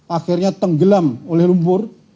akhirnya tenggelam oleh lumpur